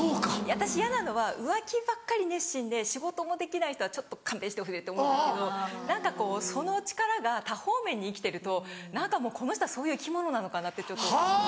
私嫌なのは浮気ばっかり熱心で仕事もできない人はちょっと勘弁してほしいって思うんですけど何かこうその力が多方面に生きてると何かもうこの人はそういう生き物なのかなって。